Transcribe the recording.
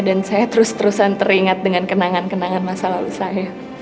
dan saya terus terusan teringat dengan kenangan kenangan masa lalu saya